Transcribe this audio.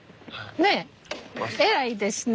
ねえ偉いですね！